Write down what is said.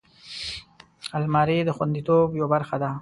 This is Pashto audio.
الماري د خوندیتوب یوه برخه ده